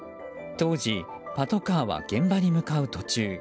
当時、パトカーは現場に向かう途中。